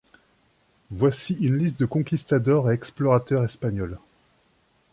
Voici une liste de conquistadors et explorateurs espagnols.